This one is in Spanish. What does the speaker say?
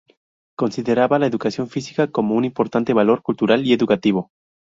Consideraba la educación física como un importante valor cultural y educativo.